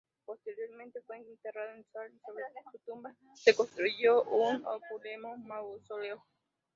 Posteriormente fue enterrado en sal, y sobre su tumba se construyó un opulento mausoleo.